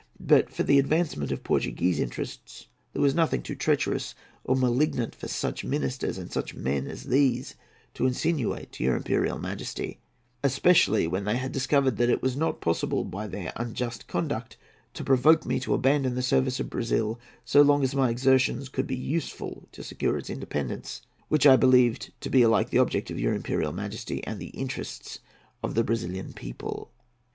But for the advancement of Portuguese interests there was nothing too treacherous or malignant for such ministers and such men as these to insinuate to your Imperial Majesty, especially when they had discovered that it was not possible by their unjust conduct to provoke me to abandon the service of Brazil so long as my exertions could be useful to secure its independence, which I believed to be alike the object of your Imperial Majesty and the interest of the Brazilian people.